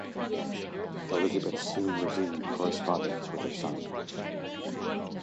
Elizabeth soon resumed correspondence with her son.